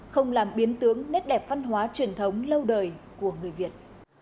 không làm biến tướng nét đẹp văn hóa truyền thống lâu đời của người việt